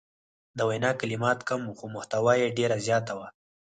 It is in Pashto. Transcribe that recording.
د وینا کلمات کم وو خو محتوا یې ډیره زیاته وه.